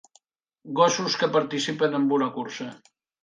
Gossos que participen en una cursa.